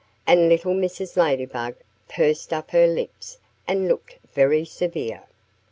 And little Mrs. Ladybug pursed up her lips and looked very severe.